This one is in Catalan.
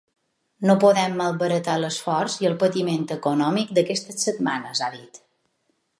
No podem malbaratar l’esforç i el patiment econòmic d’aquestes setmanes, ha dit.